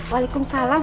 menangis juga kok ini